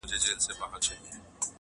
لا یې نه وو د آرام نفس ایستلی -